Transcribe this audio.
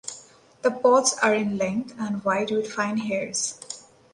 The pods are in length and wide with fine hairs.